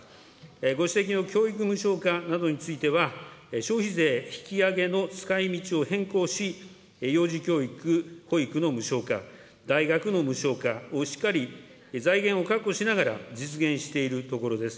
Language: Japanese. ご指摘の教育無償化などについては、消費税引き上げの使いみちを変更し、幼児教育、保育の無償化、大学の無償化をしっかり財源を確保しながら実現しているところです。